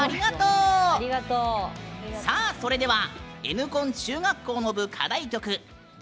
それではＮコン中学校の部の課題曲